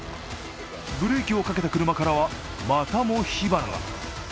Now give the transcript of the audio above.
ブレーキをかけた車からはまたも火花が。